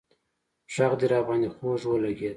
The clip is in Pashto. غږ دې راباندې خوږ ولگېد